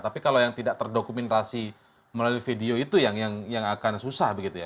tapi kalau yang tidak terdokumentasi melalui video itu yang akan susah begitu ya